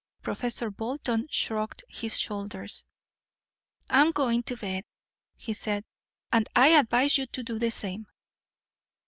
Professor Bolton shrugged his shoulders. "I'm going to bed," he said, "and I advise you to do the same."